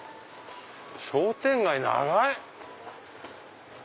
商店街長い！